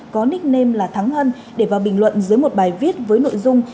có nickname là thắng hân để vào bình luận dưới một bài viết với nội dung